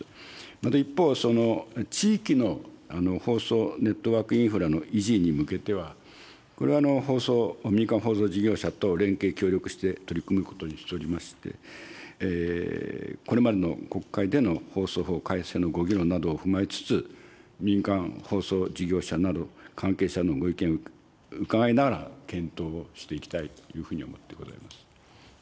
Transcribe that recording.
また一方、地域の放送ネットワークインフラの維持に向けては、これは放送、民間放送事業者と連携協力して取り組むことにしておりまして、これまでの国会での放送法改正のご議論などを踏まえつつ、民間放送事業者など、関係者のご意見を伺いながら検討をしていきたいというふうに思ってございます。